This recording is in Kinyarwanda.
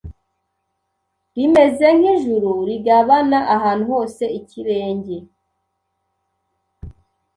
rimeze nkijuru rigabana Ahantu hose ikirenge